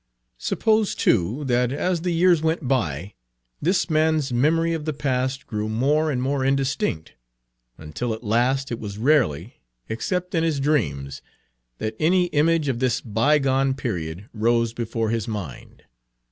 Suppose, too, that, as the years went by, this man's memory of the past grew more and more indistinct, until at last it was rarely, except in his dreams, that any image of this bygone period rose before his mind.